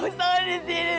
aku bisa gak ada disini